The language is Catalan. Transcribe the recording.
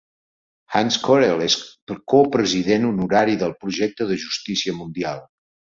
Hans Corell és copresident honorari del projecte de justícia mundial.